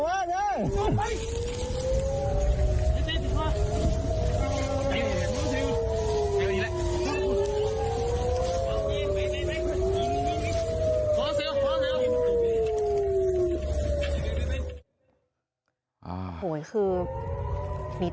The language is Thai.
พวกมันกลับมาเมื่อเวลาที่สุดพวกมันกลับมาเมื่อเวลาที่สุด